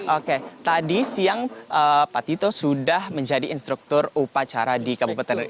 oke tadi siang pak tito sudah menjadi instruktur upacara di kabupaten